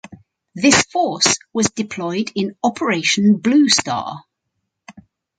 This force was deployed in Operation Blue Star.